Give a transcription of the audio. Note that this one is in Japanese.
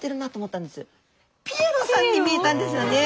ピエロさんに見えたんですよね！